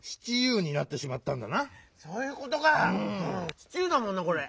「シチュー」だもんなこれ。